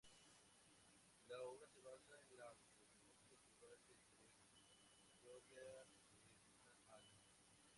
La obra se basa en la autobiografía espiritual de Teresa: "Historia de una Alma".